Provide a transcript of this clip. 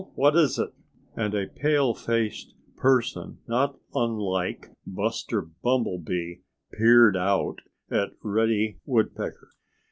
What is it?" And a pale faced person not unlike Buster Bumblebee peered out at Reddy Woodpecker.